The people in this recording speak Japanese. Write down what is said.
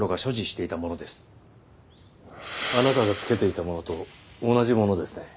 あなたが着けていたものと同じものですね。